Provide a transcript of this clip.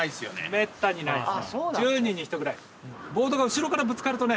めったにないですね。